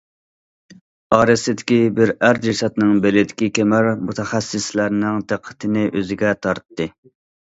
ئارىسىدىكى بىر ئەر جەسەتنىڭ بېلىدىكى كەمەر مۇتەخەسسىسلەرنىڭ دىققىتىنى ئۆزىگە تارتتى.